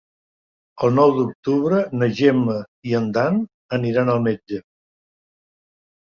El nou d'octubre na Gemma i en Dan aniran al metge.